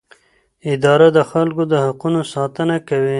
اداره د خلکو د حقونو ساتنه کوي.